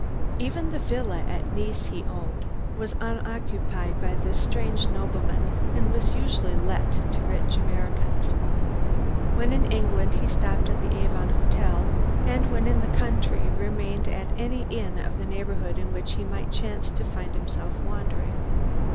Even the villa at Nice he owned was unoccupied by this strange nobleman, and was usually let to rich Americans. When in England he stopped at the Avon Hotel and when in the country remained at any inn of the neighborhood in which he might chance to find himself wandering.